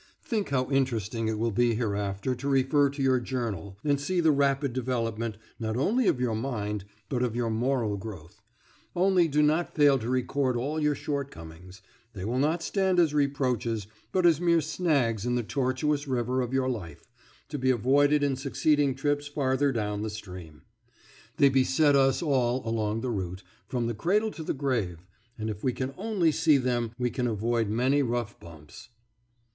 Think how interesting it will be hereafter to refer to your journal, and see the rapid development, not only of your mind, but of your moral growth; only do not fail to record all your shortcomings; they will not stand as reproaches, but as mere snags in the tortuous river of your life, to be avoided in succeeding trips farther down the stream. They beset us all along the route, from the cradle to the grave, and if we can only see them we can avoid many rough bumps.